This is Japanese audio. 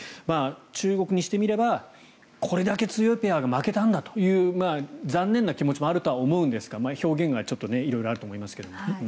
中国にしてみればこれだけ強いペアが負けたんだという残念な気持ちもあるとは思うんですが表現がちょっと色々あると思いますが。